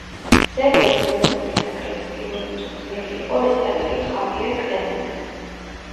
სერბეთის ეროვნული ნაკრების პირველი მწვრთნელი იყო ესპანელი ხავიერ კლემენტე.